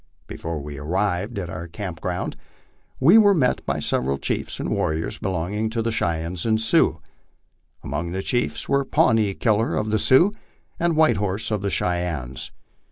Before we arrived at our camping ground we were met by several chiefs and warriors belonging to the Cheyennes and Sioux. Among the chiefs were Pawnee Killer of the Sioux, and White Horse of the Cheyennes.